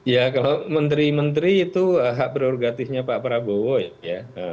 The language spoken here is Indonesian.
ya kalau menteri menteri itu hak prerogatifnya pak prabowo ya